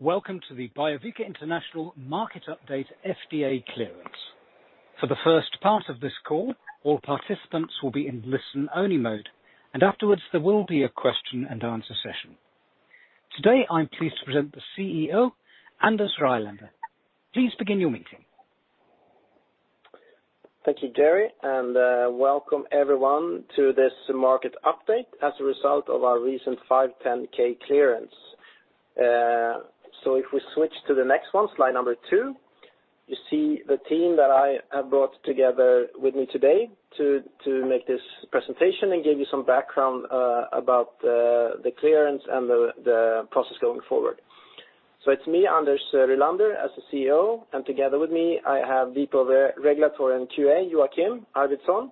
Welcome to the Biovica International Market Update FDA clearance. For the first part of this call, all participants will be in listen-only mode, and afterwards there will be a question-and-answer session. Today, I'm pleased to present the CEO, Anders Rylander. Please begin your meeting. Thank you, Gary, and welcome everyone to this market update as a result of our recent 510(k) clearance. If we switch to the next one, slide number two, you see the team that I have brought together with me today to make this presentation and give you some background about the clearance and the process going forward. It's me, Anders Rylander, as the CEO, and together with me I have the regulatory and QA, Joakim Arwidson,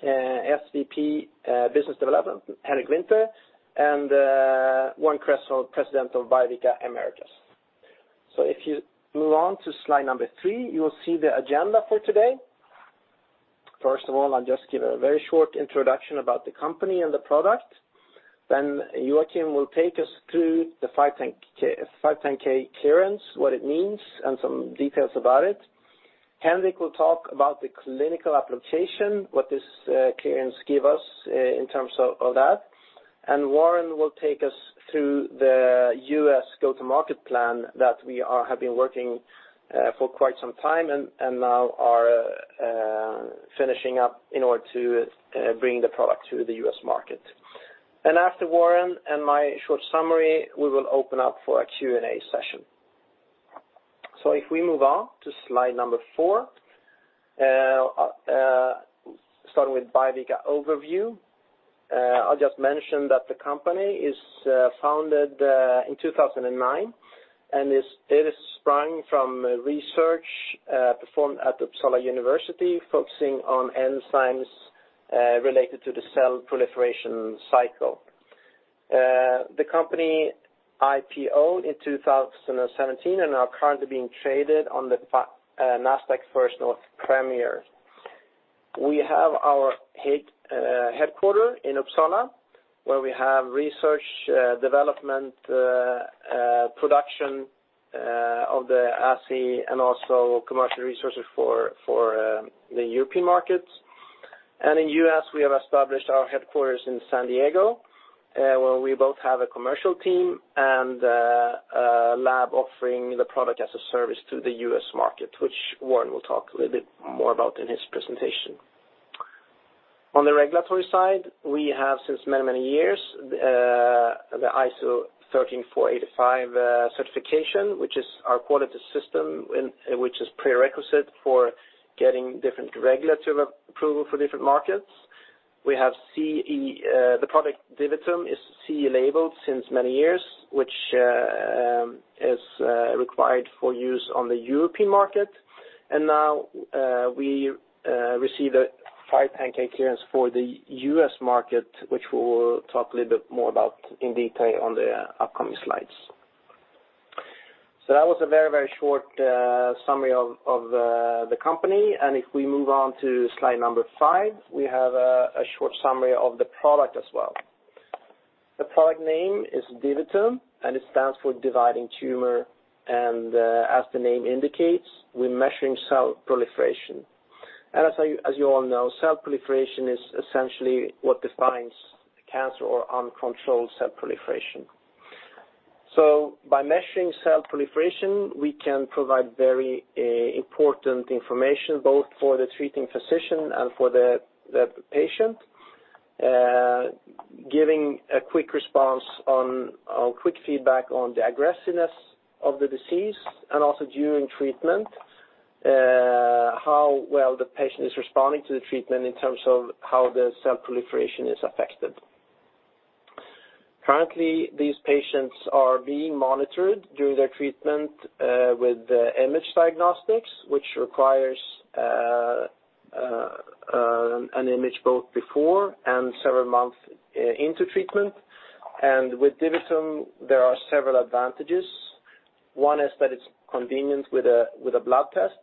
SVP Business Development, Henrik Winther, and Warren Cresswell, President of Biovica Americas. If you move on to slide number three, you will see the agenda for today. First of all, I'll just give a very short introduction about the company and the product. Joakim will take us through the 510(k) clearance, what it means, and some details about it. Henrik will talk about the clinical application, what this clearance gives us in terms of that. Warren will take us through the U.S. go-to-market plan that we have been working for quite some time and now are finishing up in order to bring the product to the U.S. market. After Warren and my short summary, we will open up for a Q&A session. If we move on to slide number four, starting with Biovica overview, I'll just mention that the company is founded in 2009, and it is sprung from research performed at Uppsala University, focusing on enzymes related to the cell proliferation cycle. The company IPO'd in 2017 and is currently being traded on the Nasdaq First North Premier. We have our headquarters in Uppsala, where we have research, development, production of the assay and also commercial resources for the European markets. In the U.S., we have established our headquarters in San Diego, where we both have a commercial team and a lab offering the product as a service to the US market, which Warren will talk a little bit more about in his presentation. On the regulatory side, we have since many years the ISO 13485 certification, which is our quality system and which is prerequisite for getting different regulatory approval for different markets. We have CE, the product DiviTum is CE labeled since many years, which is required for use on the European market. Now, we receive a 510(k) clearance for the US market, which we'll talk a little bit more about in detail on the upcoming slides. That was a very, very short summary of the company. If we move on to slide number five, we have a short summary of the product as well. The product name is DiviTum, and it stands for dividing tumor, and as the name indicates, we're measuring cell proliferation. As you all know, cell proliferation is essentially what defines cancer or uncontrolled cell proliferation. By measuring cell proliferation, we can provide very important information both for the treating physician and for the patient, giving a quick feedback on the aggressiveness of the disease and also during treatment, how well the patient is responding to the treatment in terms of how the cell proliferation is affected. Currently, these patients are being monitored during their treatment with imaging diagnostics, which requires an image both before and several months into treatment. With DiviTum, there are several advantages. One is that it's convenient with a blood test,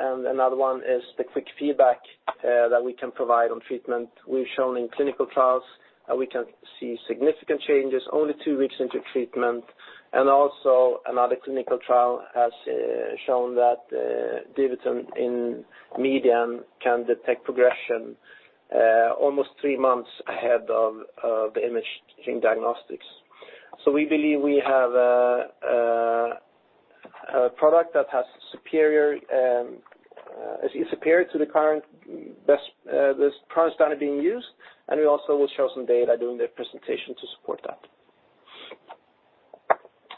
and another one is the quick feedback that we can provide on treatment. We've shown in clinical trials that we can see significant changes only two weeks into treatment. Also another clinical trial has shown that DiviTum in median can detect progression almost three months ahead of the imaging diagnostics. We believe we have a product that is superior to the current best products that are being used. We also will show some data during the presentation to support that.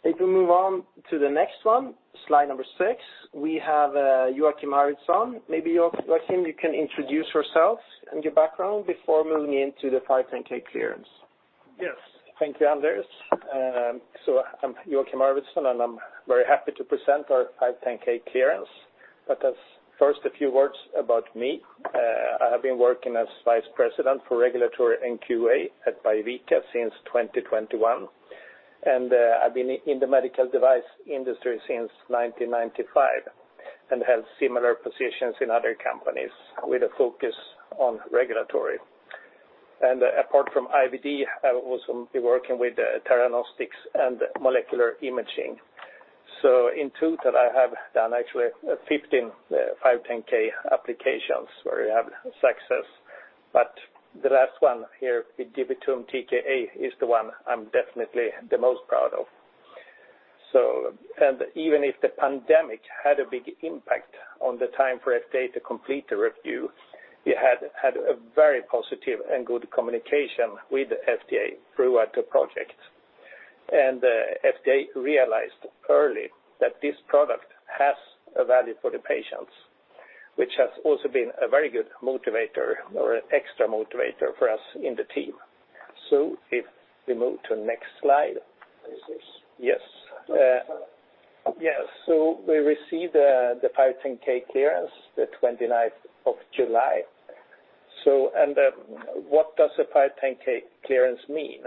If we move on to the next one, slide number six, we have Joakim Arwidson. Maybe Joakim, you can introduce yourself and your background before moving into the 510(k) clearance. Yes. Thank you, Anders. I'm Joakim Ardwidson, and I'm very happy to present our 510(k) clearance. First, a few words about me. I have been working as Vice President for Regulatory and QA at Biovica since 2021, and I've been in the medical device industry since 1995 and have similar positions in other companies with a focus on regulatory. Apart from IVD, I will also be working with theranostics and molecular imaging. In total, I have done actually 15 510(k) applications where we have success. The last one here with DiviTum TKa is the one I'm definitely the most proud of. Even if the pandemic had a big impact on the time for FDA to complete the review, we had a very positive and good communication with FDA throughout the project. FDA realized early that this product has a value for the patients, which has also been a very good motivator or an extra motivator for us in the team. If we move to next slide. This is. Yes. We received the 510(k) clearance, the 29th of July. What does the 510(k) clearance mean?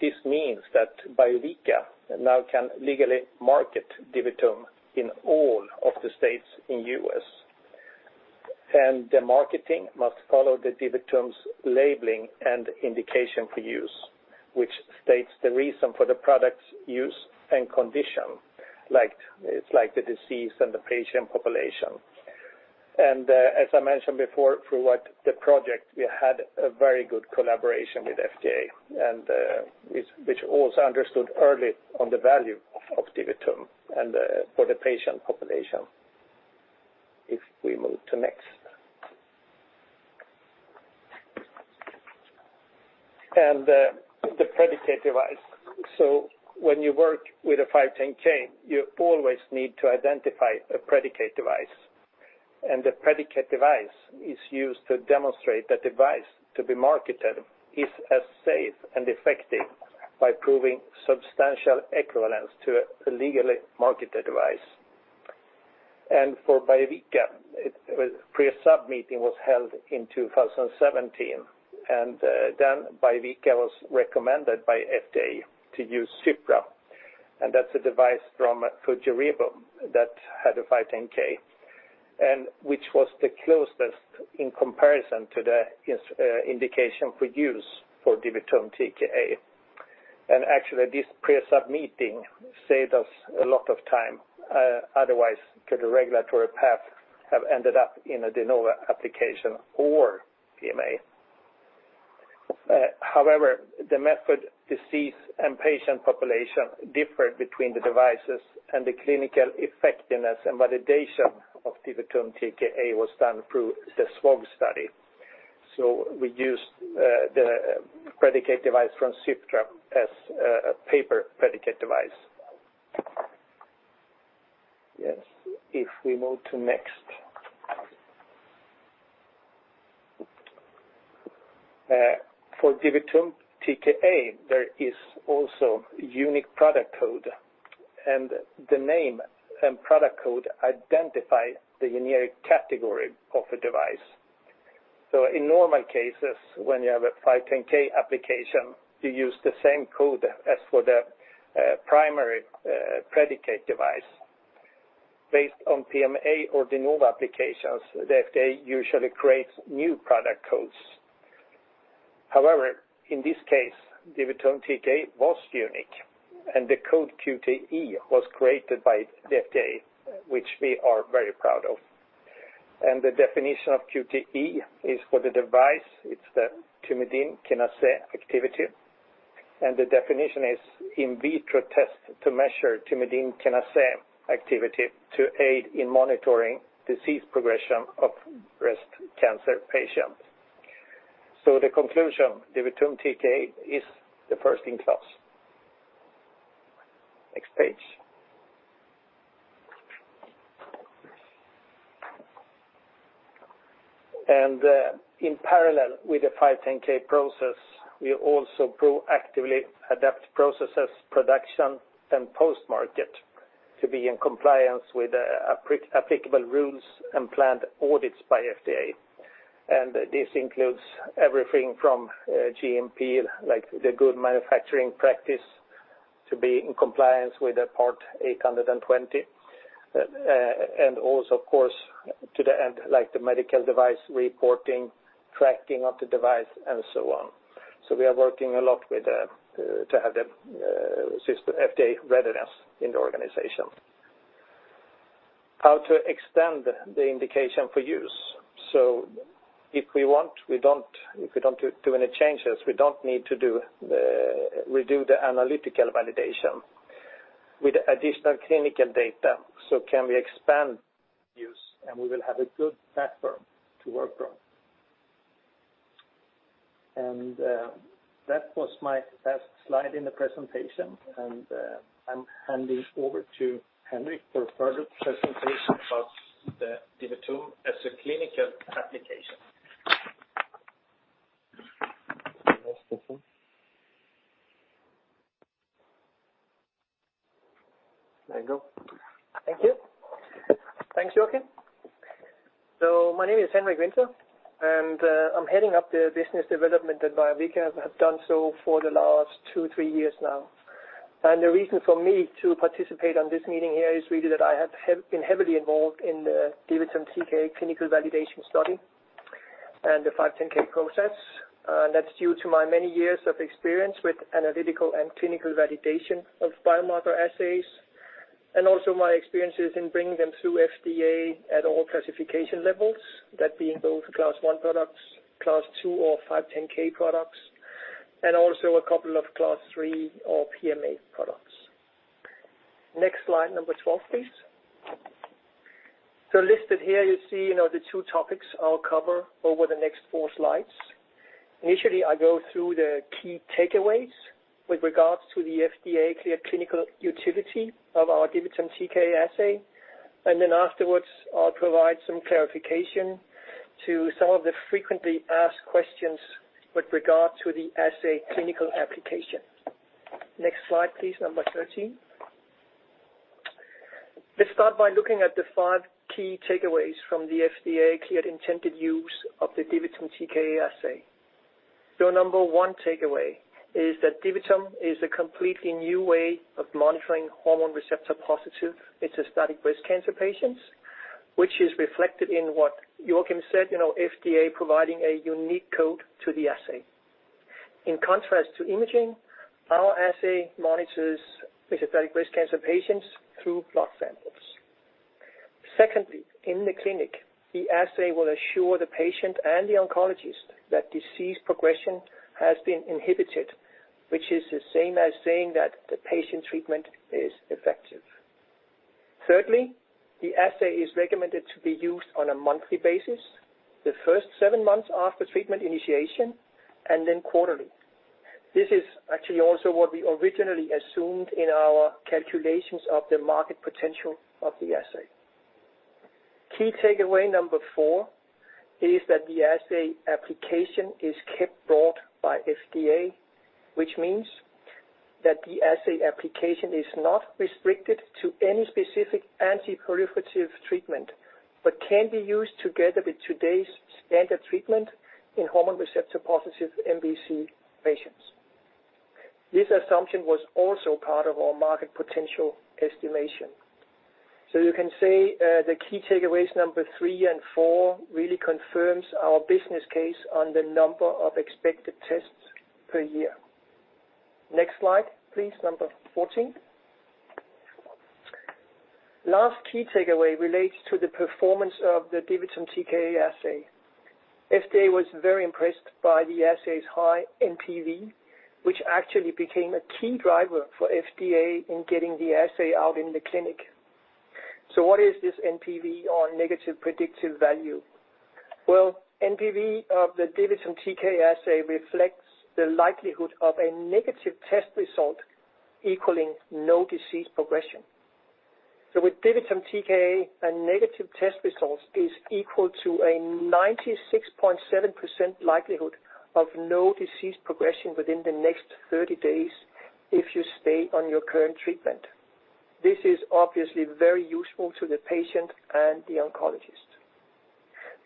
This means that Biovica now can legally market DiviTum in all of the states in U.S. The marketing must follow the DiviTum's labeling and indication for use, which states the reason for the product's use and condition, like, it's like the disease and the patient population. As I mentioned before, throughout the project, we had a very good collaboration with FDA and which also understood early on the value of DiviTum and for the patient population. If we move to next. The predicate device. When you work with a 510(k), you always need to identify a predicate device. The predicate device is used to demonstrate the device to be marketed is as safe and effective by proving substantial equivalence to a legally marketed device. For Biovica, it was Pre-Sub meeting was held in 2017, and then Biovica was recommended by FDA to use CYFRA 21-1. That's a device from Fujirebio that had a 510(k), and which was the closest in comparison to the indication for use for DiviTum TKa. Actually, this Pre-Sub meeting saved us a lot of time, otherwise, to the regulatory path, have ended up in a De Novo application or PMA. However, the method, disease, and patient population differed between the devices and the clinical effectiveness and validation of DiviTum TKA was done through the SWOG study. We used the predicate device from CYFRA as a paper predicate device. Yes, if we move to next. For DiviTum TKa, there is also unique product code, and the name and product code identify the unique category of the device. In normal cases, when you have a 510(k) application, you use the same code as for the primary predicate device. Based on PMA or De Novo applications, the FDA usually creates new product codes. However, in this case, DiviTum TKa was unique, and the code QTE was created by the FDA, which we are very proud of. The definition of QTE is for the device, it's the thymidine kinase activity. The definition is in vitro test to measure thymidine kinase activity to aid in monitoring disease progression of breast cancer patients. The conclusion, DiviTum TKa is the first in class. Next page. In parallel with the 510(k) process, we also proactively adapt processes, production, and post-market to be in compliance with applicable rules and planned audits by FDA. This includes everything from GMP, like the good manufacturing practice to be in compliance with the Part 820. Also, of course, to the end, like the medical device reporting, tracking of the device, and so on. We are working a lot with to have the system FDA readiness in the organization. How to extend the indication for use. If we don't do any changes, we don't need to redo the analytical validation. With additional clinical data, so can we expand use, and we will have a good platform to work from. That was my last slide in the presentation, and I'm handing over to Henrik for further presentation about the DiviTum as a clinical application. There you go. Thank you. Thanks, Joakim Arwidson. My name is Henrik Winther, and I'm heading up the business development at Biovica, have done so for the last 2-3 years now. The reason for me to participate on this meeting here is really that I have been heavily involved in the DiviTum TKa clinical validation study and the 510(k) process. That's due to my many years of experience with analytical and clinical validation of biomarker assays, and also my experiences in bringing them through FDA at all classification levels. That being both Class I products, Class II or 510(k) products, and also a couple of Class III or PMA products. Next slide, number 12, please. Listed here you see, you know, the two topics I'll cover over the next four slides. Initially, I go through the key takeaways with regards to the FDA cleared clinical utility of our DiviTum TKa assay, and then afterwards I'll provide some clarification to some of the frequently asked questions with regard to the assay clinical application. Next slide, please, number 13. Let's start by looking at the five key takeaways from the FDA cleared intended use of the DiviTum TKa assay. Number one takeaway is that DiviTum is a completely new way of monitoring hormone receptor-positive metastatic breast cancer patients, which is reflected in what Joakim said, you know, FDA providing a unique code to the assay. In contrast to imaging, our assay monitors metastatic breast cancer patients through blood samples. Secondly, in the clinic, the assay will assure the patient and the oncologist that disease progression has been inhibited, which is the same as saying that the patient treatment is effective. Thirdly, the assay is recommended to be used on a monthly basis, the first seven months after treatment initiation, and then quarterly. This is actually also what we originally assumed in our calculations of the market potential of the assay. Key takeaway number four is that the assay application is cleared by FDA, which means that the assay application is not restricted to any specific anti-proliferative treatment, but can be used together with today's standard treatment in hormone receptor-positive MBC patients. This assumption was also part of our market potential estimation. You can say, the key takeaways number three and four really confirms our business case on the number of expected tests per year. Next slide please, number 14. Last key takeaway relates to the performance of the DiviTum TKa assay. FDA was very impressed by the assay's high NPV, which actually became a key driver for FDA in getting the assay out in the clinic. So what is this NPV or negative predictive value? Well, NPV of the DiviTum TKa assay reflects the likelihood of a negative test result equaling no disease progression. With DiviTum TKa, a negative test result is equal to a 96.7% likelihood of no disease progression within the next 30 days if you stay on your current treatment. This is obviously very useful to the patient and the oncologist.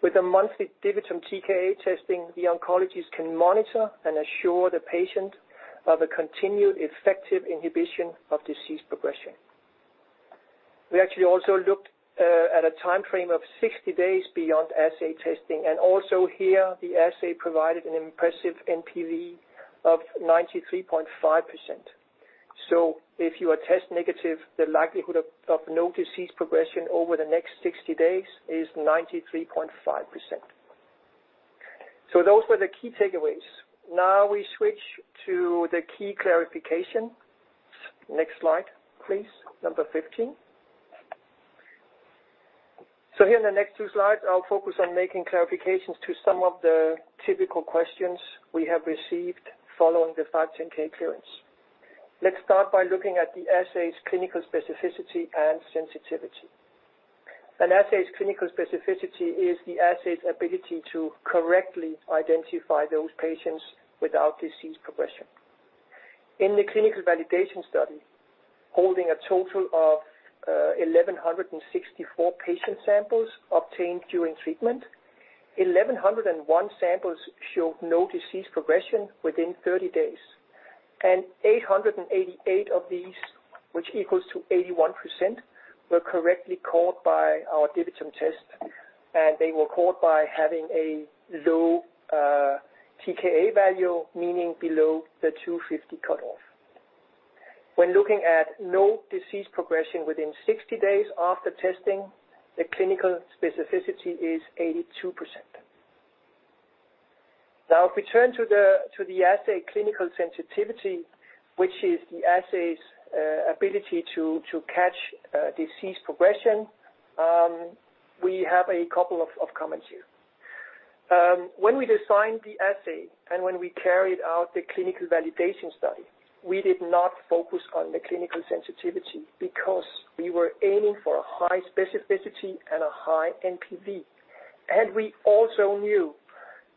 With a monthly DiviTum TKa testing, the oncologist can monitor and assure the patient of a continued effective inhibition of disease progression. We actually also looked at a time frame of 60 days beyond assay testing, and also here the assay provided an impressive NPV of 93.5%. If you are test negative, the likelihood of no disease progression over the next 60 days is 93.5%. Those were the key takeaways. Now we switch to the key clarification. Next slide please, number 15. Here in the next two slides, I'll focus on making clarifications to some of the typical questions we have received following the 510(k) clearance. Let's start by looking at the assay's clinical specificity and sensitivity. An assay's clinical specificity is the assay's ability to correctly identify those patients without disease progression. In the clinical validation study, holding a total of 1,164 patient samples obtained during treatment, 1,101 samples showed no disease progression within 30 days, and 888 of these, which equals to 81%, were correctly called by our DiviTum test, and they were called by having a low TKA value, meaning below the 250 cutoff. When looking at no disease progression within 60 days after testing, the clinical specificity is 82%. Now, if we turn to the assay clinical sensitivity, which is the assay's ability to catch disease progression, we have a couple of comments here. When we designed the assay and when we carried out the clinical validation study, we did not focus on the clinical sensitivity because we were aiming for a high specificity and a high NPV. We also knew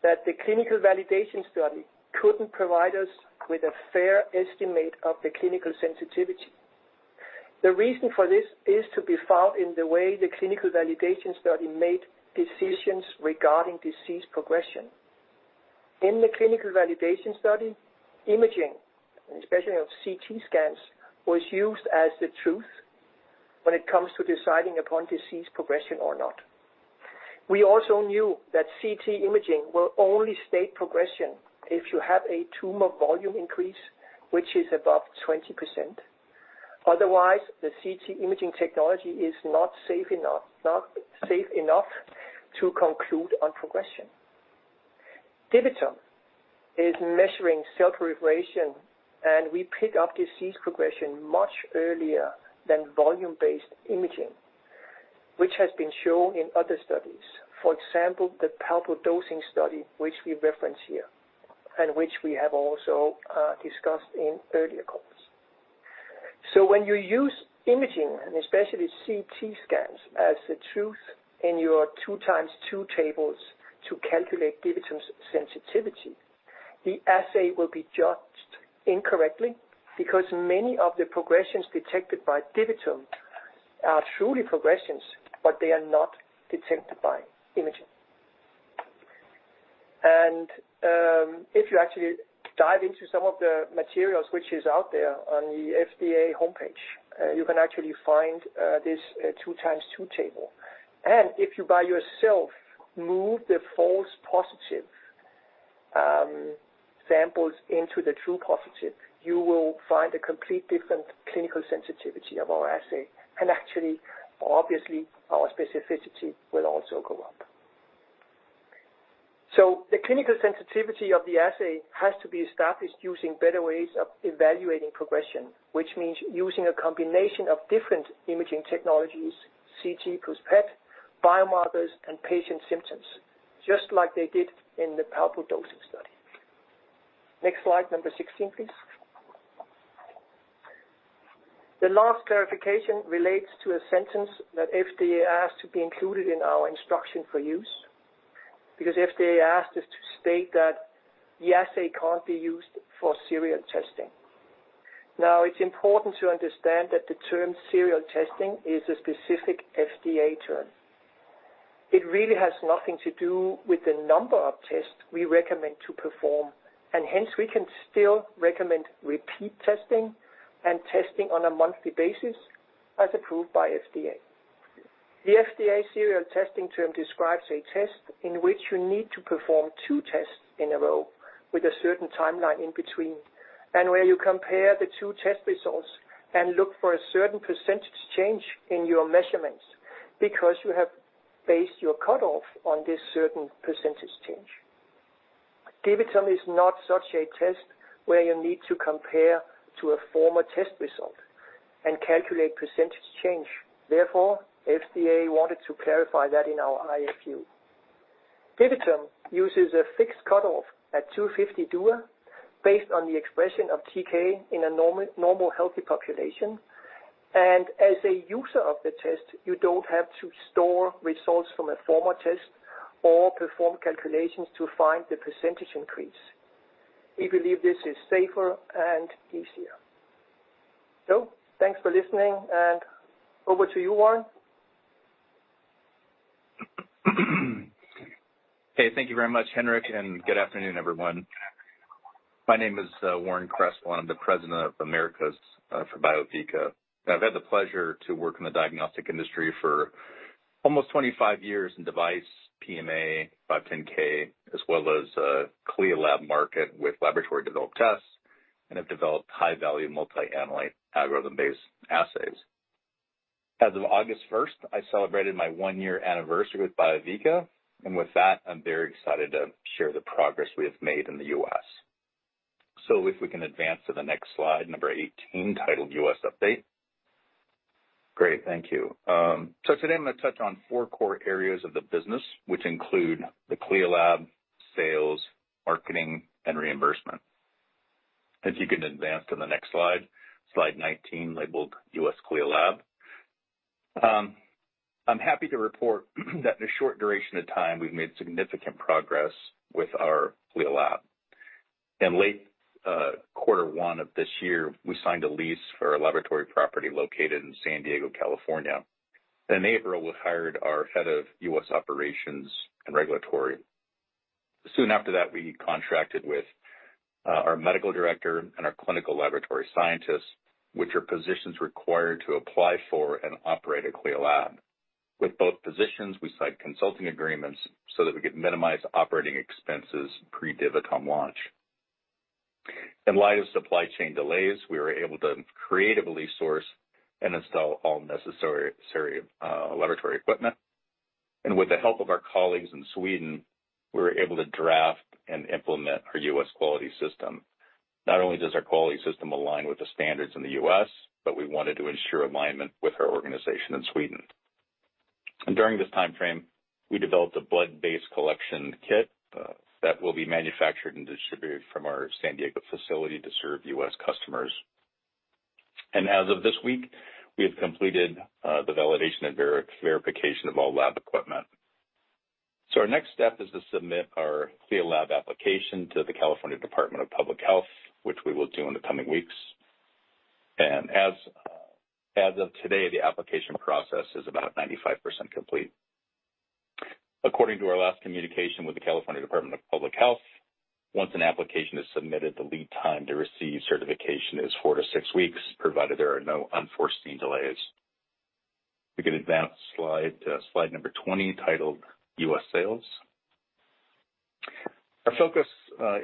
that the clinical validation study couldn't provide us with a fair estimate of the clinical sensitivity. The reason for this is to be found in the way the clinical validation study made decisions regarding disease progression. In the clinical validation study, imaging, especially of CT scans, was used as the truth when it comes to deciding upon disease progression or not. We also knew that CT imaging will only state progression if you have a tumor volume increase which is above 20%. Otherwise, the CT imaging technology is not safe enough to conclude on progression. DiviTum is measuring cell proliferation, and we pick up disease progression much earlier than volume-based imaging, which has been shown in other studies. For example, the PALBO-DOSE study, which we reference here and which we have also discussed in earlier calls. When you use imaging, and especially CT scans, as the truth in your 2x2 tables to calculate DiviTum's sensitivity, the assay will be judged incorrectly because many of the progressions detected by DiviTum are truly progressions, but they are not detected by imaging. If you actually dive into some of the materials which is out there on the FDA homepage, you can actually find this 2 x 2 table. If you by yourself move the false positive samples into the true positive, you will find a complete different clinical sensitivity of our assay. Actually, obviously our specificity will also go up. The clinical sensitivity of the assay has to be established using better ways of evaluating progression, which means using a combination of different imaging technologies, CT plus PET, biomarkers, and patient symptoms, just like they did in the Palbo-dosing study. Next slide, number 16, please. The last clarification relates to a sentence that FDA asked to be included in our instruction for use because FDA asked us to state that the assay can't be used for serial testing. Now, it's important to understand that the term serial testing is a specific FDA term. It really has nothing to do with the number of tests we recommend to perform. Hence we can still recommend repeat testing and testing on a monthly basis as approved by FDA. The FDA serial testing term describes a test in which you need to perform two tests in a row with a certain timeline in between, and where you compare the two test results and look for a certain percentage change in your measurements because you have based your cutoff on this certain percentage change. DiviTum is not such a test where you need to compare to a former test result and calculate percentage change. Therefore, FDA wanted to clarify that in our IFU. DiviTum uses a fixed cutoff at 250 DuA based on the expression of TK in a normal healthy population. As a user of the test, you don't have to store results from a former test or perform calculations to find the percentage increase. We believe this is safer and easier. Thanks for listening, and over to you, Warren. Hey, thank you very much, Henrik, and good afternoon, everyone. My name is Warren Cresswell, and I'm the President of Americas for Biovica. I've had the pleasure to work in the diagnostic industry for almost 25 years in device, PMA, 510(k), as well as CLIA lab market with laboratory developed tests and have developed high-value multi-analyte algorithm-based assays. As of August first, I celebrated my one year anniversary with Biovica, and with that, I'm very excited to share the progress we have made in the U.S.. If we can advance to the next slide, number 18, titled US Update. Great, thank you. Today I'm gonna touch on four core areas of the business, which include the CLIA lab, sales, marketing, and reimbursement. If you can advance to the next slide 19, labeled US CLIA Lab. I'm happy to report that in a short duration of time, we've made significant progress with our CLIA lab. In late Q1 of this year, we signed a lease for a laboratory property located in San Diego, California. In April, we hired our head of U.S. operations and regulatory. Soon after that, we contracted with our medical director and our clinical laboratory scientists, which are positions required to apply for and operate a CLIA lab. With both positions, we signed consulting agreements so that we could minimize operating expenses pre DiviTum launch. In light of supply chain delays, we were able to creatively source and install all necessary laboratory equipment. With the help of our colleagues in Sweden, we were able to draft and implement our U.S. quality system. Not only does our quality system align with the standards in the U.S., but we wanted to ensure alignment with our organization in Sweden. During this timeframe, we developed a blood-based collection kit that will be manufactured and distributed from our San Diego facility to serve U.S. customers. As of this week, we have completed the validation and verification of all lab equipment. Our next step is to submit our CLIA lab application to the California Department of Public Health, which we will do in the coming weeks. As of today, the application process is about 95% complete. According to our last communication with the California Department of Public Health, once an application is submitted, the lead time to receive certification is 4-6 weeks, provided there are no unforeseen delays. We can advance slide to slide number 20, titled U.S. Sales. Our focus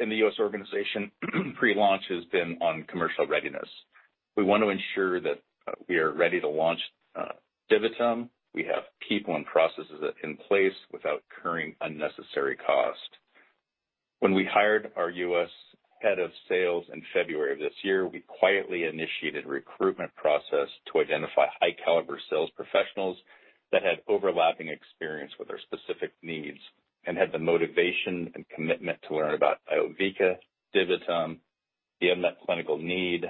in the U.S. organization pre-launch has been on commercial readiness. We want to ensure that we are ready to launch DiviTum. We have people and processes in place without incurring unnecessary cost. When we hired our U.S. head of sales in February of this year, we quietly initiated a recruitment process to identify high caliber sales professionals that had overlapping experience with our specific needs and had the motivation and commitment to learn about Biovica, DiviTum, the unmet clinical need,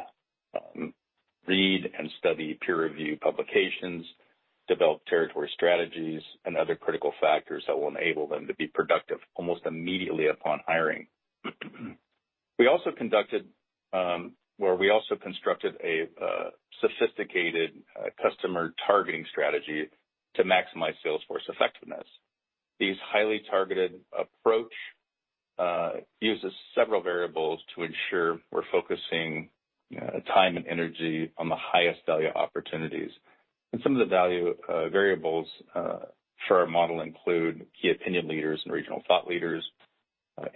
read and study peer-reviewed publications, develop territory strategies, and other critical factors that will enable them to be productive almost immediately upon hiring. We also constructed a sophisticated customer targeting strategy to maximize salesforce effectiveness. This highly targeted approach uses several variables to ensure we're focusing time and energy on the highest value opportunities. Some of the value variables for our model include key opinion leaders and regional thought leaders,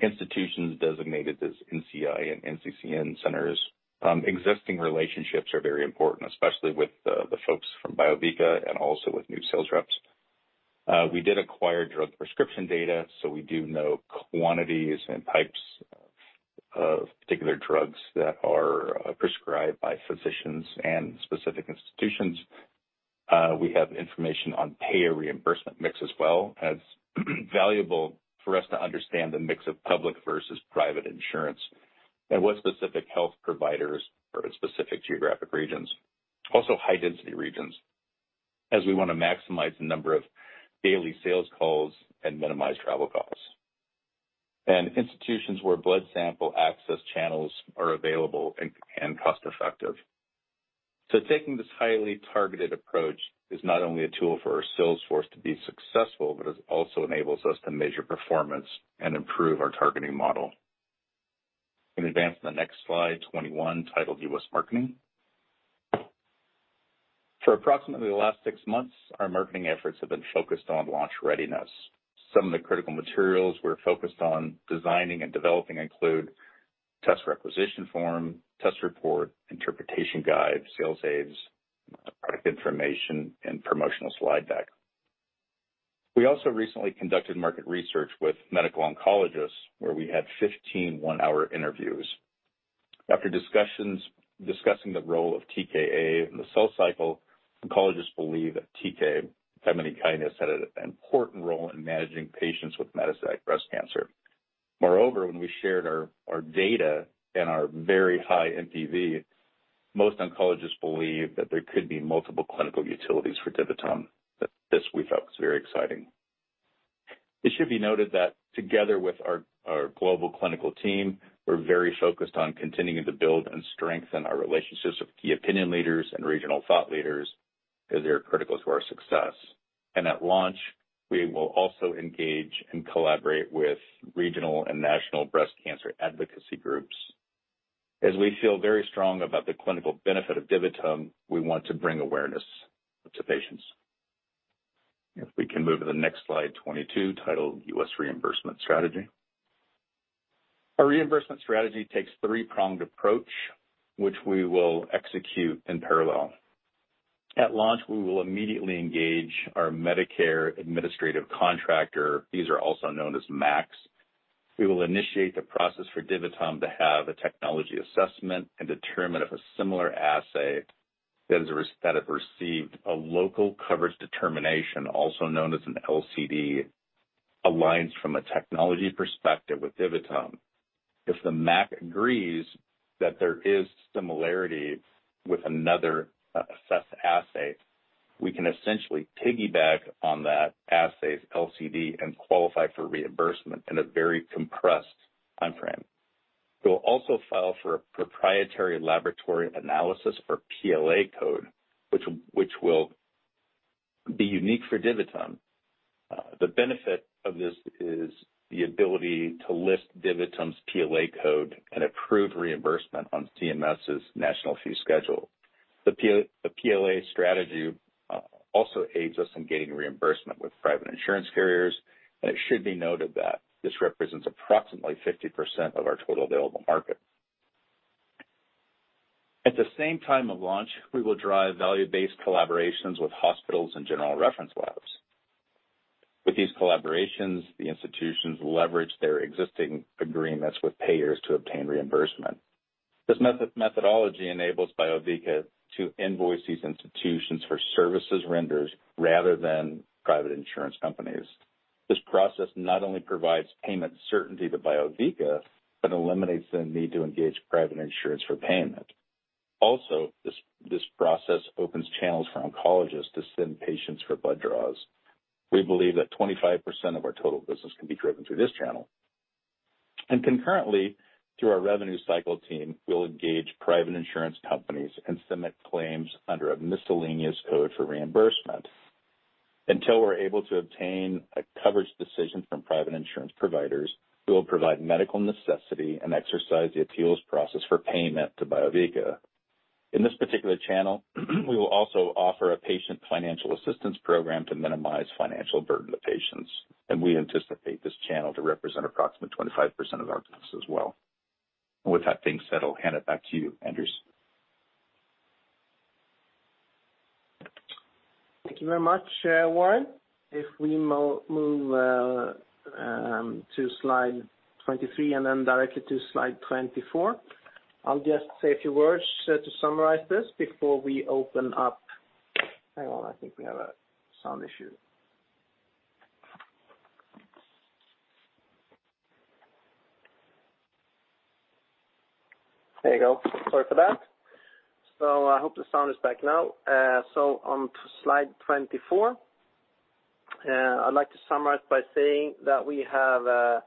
institutions designated as NCI and NCCN centers. Existing relationships are very important, especially with the folks from Biovica and also with new sales reps. We did acquire drug prescription data, so we do know quantities and types of particular drugs that are prescribed by physicians and specific institutions. We have information on payer reimbursement mix as well as valuable for us to understand the mix of public versus private insurance and what specific health providers or specific geographic regions. High density regions, as we wanna maximize the number of daily sales calls and minimize travel costs, and institutions where blood sample access channels are available and cost-effective. Taking this highly targeted approach is not only a tool for our salesforce to be successful, but it also enables us to measure performance and improve our targeting model. Can we advance to the next slide, 21, titled U.S. Marketing? For approximately the last six months, our marketing efforts have been focused on launch readiness. Some of the critical materials we're focused on designing and developing include test requisition form, test report, interpretation guide, sales aids, product information, and promotional slide deck. We also recently conducted market research with medical oncologists, where we had 15 one-hour interviews. After discussing the role of TKA in the cell cycle, oncologists believe that TK, thymidine kinase, had an important role in managing patients with metastatic breast cancer. Moreover, when we shared our data and our very high NPV, most oncologists believe that there could be multiple clinical utilities for DiviTum. This we felt was very exciting. It should be noted that together with our global clinical team, we're very focused on continuing to build and strengthen our relationships with key opinion leaders and regional thought leaders, as they are critical to our success. At launch, we will also engage and collaborate with regional and national breast cancer advocacy groups. As we feel very strong about the clinical benefit of DiviTum, we want to bring awareness to patients. If we can move to the next slide, 22, titled U.S. Reimbursement Strategy. Our reimbursement strategy takes a three-pronged approach, which we will execute in parallel. At launch, we will immediately engage our Medicare Administrative Contractor. These are also known as MACs. We will initiate the process for DiviTum to have a technology assessment and determine if a similar assay that have received a local coverage determination, also known as an LCD, aligns from a technology perspective with DiviTum. If the MAC agrees that there is similarity with another assessed assay, we can essentially piggyback on that assay's LCD and qualify for reimbursement in a very compressed timeframe. We'll also file for a proprietary laboratory analysis or PLA code, which will be unique for DiviTum. The benefit of this is the ability to list DiviTum's PLA code and approve reimbursement on CMS's National Fee Schedule. The PLA strategy also aids us in getting reimbursement with private insurance carriers, and it should be noted that this represents approximately 50% of our total available market. At the same time of launch, we will drive value-based collaborations with hospitals and general reference labs. With these collaborations, the institutions leverage their existing agreements with payers to obtain reimbursement. This methodology enables Biovica to invoice these institutions for services rendered rather than private insurance companies. This process not only provides payment certainty to Biovica, but eliminates the need to engage private insurance for payment. This process opens channels for oncologists to send patients for blood draws. We believe that 25% of our total business can be driven through this channel. Concurrently, through our revenue cycle team, we'll engage private insurance companies and submit claims under a miscellaneous code for reimbursement. Until we're able to obtain a coverage decision from private insurance providers, we will provide medical necessity and exercise the appeals process for payment to Biovica. In this particular channel, we will also offer a patient financial assistance program to minimize financial burden to patients, and we anticipate this channel to represent approximately 25% of our business as well. With that being said, I'll hand it back to you, Anders. Thank you very much, Warren. If we move to slide 23 and then directly to slide 24. I'll just say a few words to summarize this before we open up. Hang on. I think we have a sound issue. There you go. Sorry for that. I hope the sound is back now. On to slide 24. I'd like to summarize by saying that we have a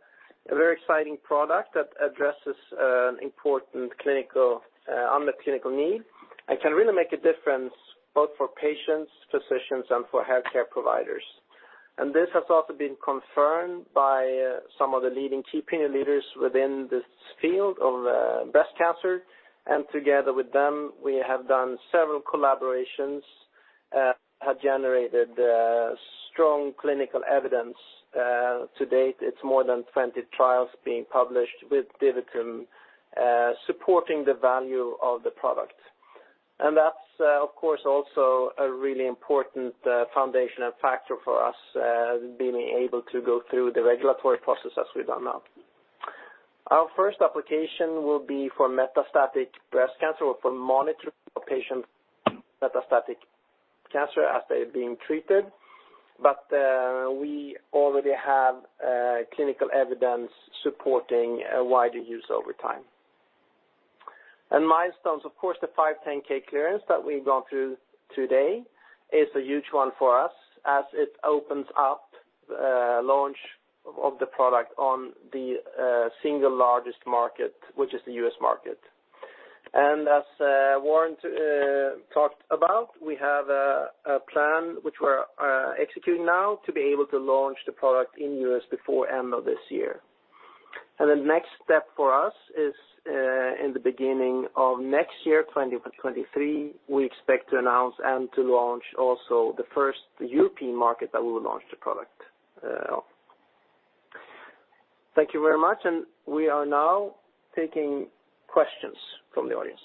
very exciting product that addresses an important clinical unmet clinical need and can really make a difference both for patients, physicians, and for healthcare providers. This has also been confirmed by some of the leading key opinion leaders within this field of breast cancer. Together with them, we have done several collaborations, have generated strong clinical evidence. To date, it's more than 20 trials being published with DiviTum, supporting the value of the product. That's, of course, also a really important foundational factor for us, being able to go through the regulatory process as we've done now. Our first application will be for metastatic breast cancer or for monitoring of patients with metastatic cancer as they're being treated. We already have clinical evidence supporting a wider use over time. Milestones, of course, the 510(k) clearance that we've gone through today is a huge one for us as it opens up launch of the product on the single largest market, which is the U.S. market. As Warren talked about, we have a plan which we're executing now to be able to launch the product in U.S. before end of this year. The next step for us is in the beginning of next year, 2023, we expect to announce and to launch also the first European market that we'll launch the product. Thank you very much, and we are now taking questions from the audience.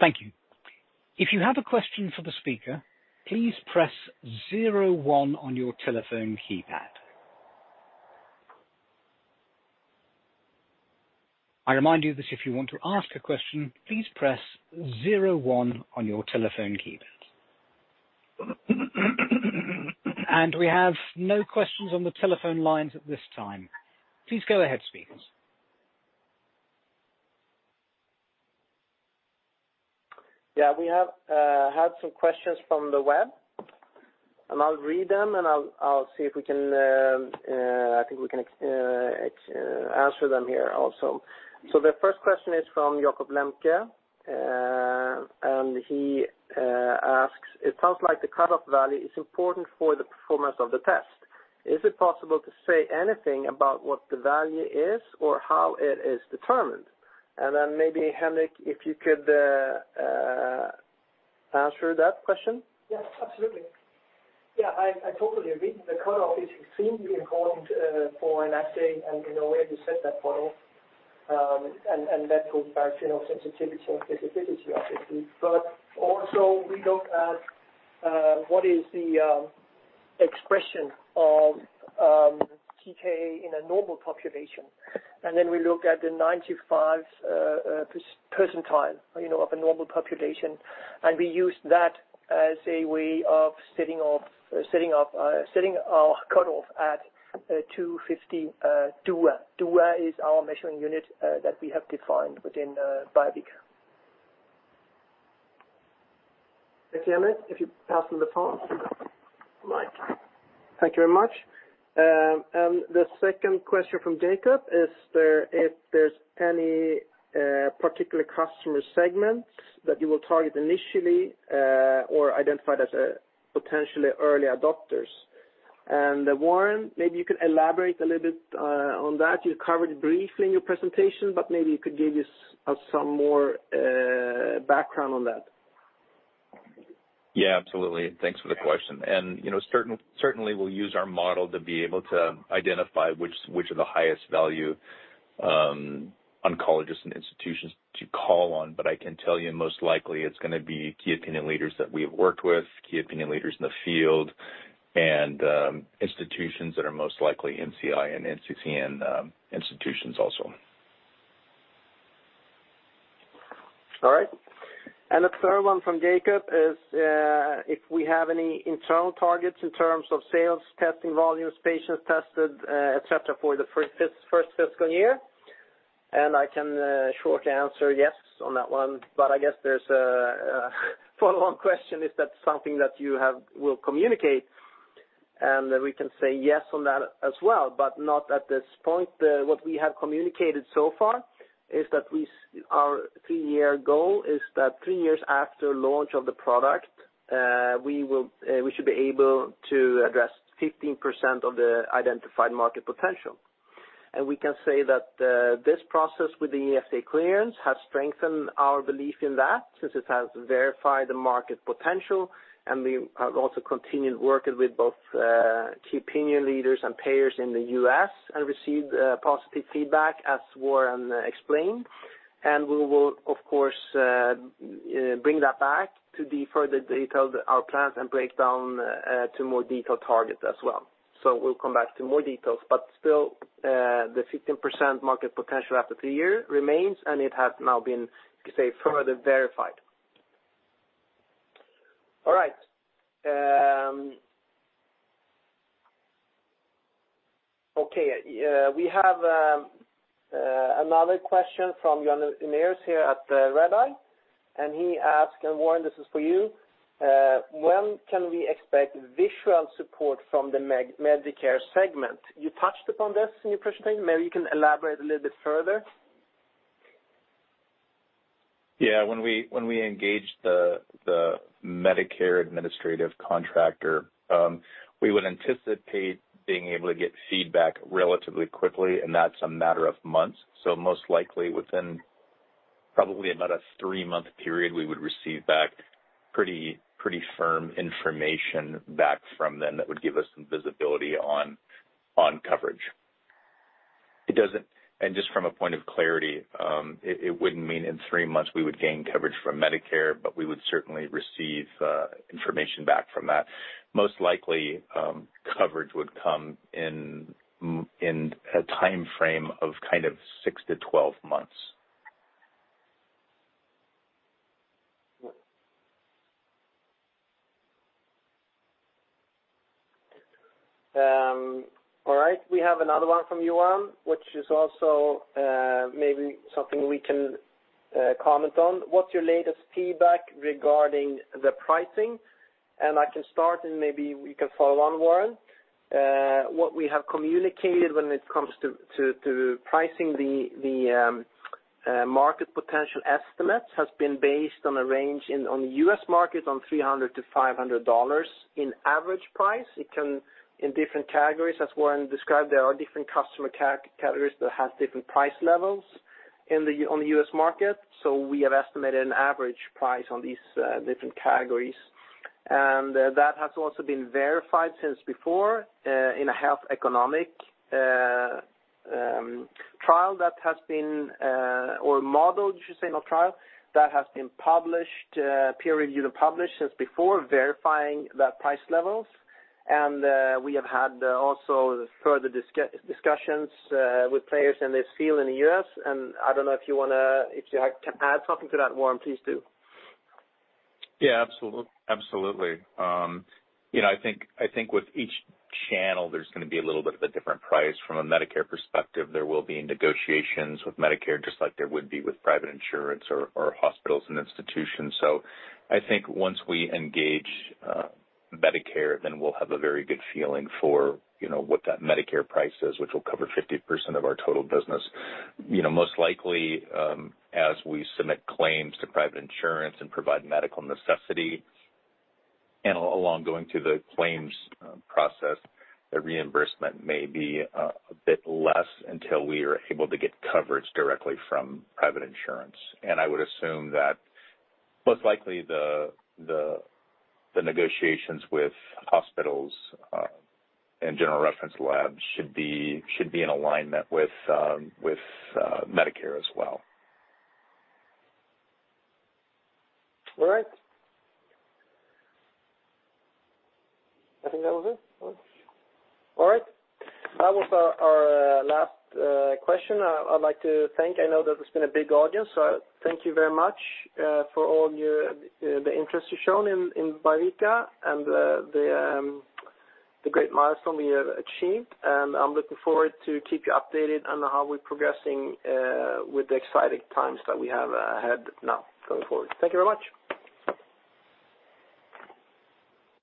Thank you. If you have a question for the speaker, please press zero one on your telephone keypad. I remind you that if you want to ask a question, please press zero one on your telephone keypad. We have no questions on the telephone lines at this time. Please go ahead, speakers. Yeah. We have had some questions from the web, and I'll read them, and I'll see if we can. I think we can answer them here also. The first question is from Jacob Lemke, and he asks, "It sounds like the cutoff value is important for the performance of the test. Is it possible to say anything about what the value is or how it is determined?" Maybe, Henrik, if you could answer that question. Yes, absolutely. Yeah, I totally agree. The cutoff is extremely important for an assay and, you know, where to set that cutoff. That goes back to, you know, sensitivity and specificity, obviously. Also we look at what the expression of TKA is in a normal population. Then we look at the 95th percentile, you know, of a normal population, and we use that as a way of setting our cutoff at 250 DuA. DuA is our measuring unit that we have defined within Biovica. Thanks, Henrik. If you pass on the phone to Mike. Thank you very much. The second question from Jacob is there, if there's any particular customer segments that you will target initially, or identify as potentially early adopters. Warren, maybe you could elaborate a little bit on that. You covered it briefly in your presentation, but maybe you could give us some more background on that. Yeah, absolutely. Thanks for the question. You know, certainly we'll use our model to be able to identify which are the highest value oncologists and institutions to call on. But I can tell you most likely it's gonna be key opinion leaders that we have worked with, key opinion leaders in the field, and institutions that are most likely NCI and NCCN institutions also. All right. The third one from Jacob is if we have any internal targets in terms of sales, testing volumes, patients tested, et cetera, for the first fiscal year. I can shortly answer yes on that one, but I guess there's a follow-on question, is that something that you will communicate? We can say yes on that as well, but not at this point. What we have communicated so far is that our three-year goal is that three years after launch of the product, we should be able to address 15% of the identified market potential. We can say that this process with the FDA clearance has strengthened our belief in that since it has verified the market potential, and we have also continued working with both key opinion leaders and payers in the U.S. And received positive feedback as Warren explained. We will, of course, bring that back to the further detail our plans and break down to more detailed targets as well. We'll come back to more details, but still, the 15% market potential after three year remains, and it has now been, say, further verified. All right. We have another question from Johan Unnerus here at Redeye, and he asked, Warren, this is for you, "When can we expect visual support from the Medicare segment?" You touched upon this in your presentation. Maybe you can elaborate a little bit further. Yeah. When we engage the Medicare Administrative Contractor, we would anticipate being able to get feedback relatively quickly, and that's a matter of months. Most likely within probably about a three month period, we would receive back pretty firm information back from them that would give us some visibility on coverage. Just from a point of clarity, it wouldn't mean in three months we would gain coverage from Medicare, but we would certainly receive information back from that. Most likely, coverage would come in a timeframe of kind of 6-12 months. All right. We have another one from Johan, which is also maybe something we can comment on. What's your latest feedback regarding the pricing? I can start, and maybe you can follow on, Warren. What we have communicated when it comes to pricing the market potential estimates has been based on a range on the U.S. market on $300-$500 in average price. It can in different categories, as Warren described, there are different customer categories that have different price levels on the U.S. market. We have estimated an average price on these different categories. That has also been verified since before in a health economic model that has been published, peer-reviewed and published since before verifying the price levels. We have had also further discussions with players in this field in the U.S.. I don't know if you wanna, if you have to add something to that, Warren, please do. Yeah, absolutely. You know, I think with each channel, there's gonna be a little bit of a different price. From a Medicare perspective, there will be negotiations with Medicare just like there would be with private insurance or hospitals and institutions. I think once we engage Medicare, then we'll have a very good feeling for, you know, what that Medicare price is, which will cover 50% of our total business. You know, most likely, as we submit claims to private insurance and provide medical necessity, and along going through the claims process, the reimbursement may be a bit less until we are able to get coverage directly from private insurance. I would assume that most likely the negotiations with hospitals and general reference labs should be in alignment with Medicare as well. All right. I think that was it. All right. That was our last question. I'd like to thank. I know that it's been a big audience, so thank you very much for all your interest you've shown in Biovica and the great milestone we have achieved. I'm looking forward to keep you updated on how we're progressing with the exciting times that we have ahead now going forward. Thank you very much.